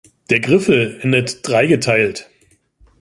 Der Griffel endet dreigeteilt.